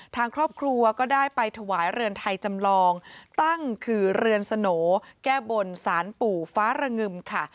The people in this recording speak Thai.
ทางครอบครัวก็ได้ไปถวายเรือนไทยจำลองตั้งคือเรือนสโหนแก้บนสารปู่ฟ้าระงึมค่ะ